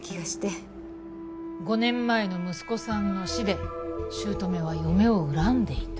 ５年前の息子さんの死で姑は嫁を恨んでいた。